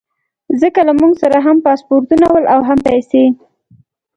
ځکه له موږ سره هم پاسپورټونه ول او هم پیسې.